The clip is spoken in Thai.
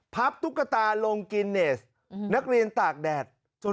ตุ๊กตาลงกินเนสนักเรียนตากแดด